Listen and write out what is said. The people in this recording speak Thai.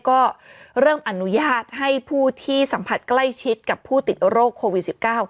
ก็เริ่มอนุญาตให้ผู้ที่สัมผัสใกล้ชิดกับผู้ติดโรคโควิด๑๙